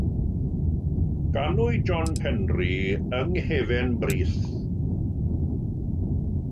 Ganwyd John Penri yng Nghefn Brith.